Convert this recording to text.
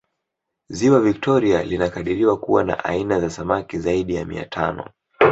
ziwa victoria linakadiriwa kuwa na aina za samaki zaidi ya mia tano